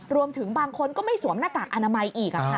รวมถึงบางคนก็ไม่สวมหน้ากากอนามัยอีก